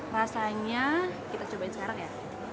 rasanya kita cobain sekarang ya